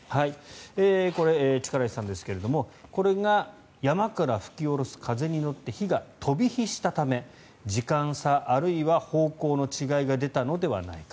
これ、力石さんですがこれが、山から吹き下ろす風に乗って火が飛び火したため時間差あるいは方向の違いが出たのではないか。